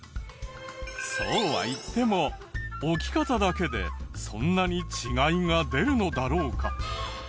そうは言っても置き方だけでそんなに違いが出るのだろうか？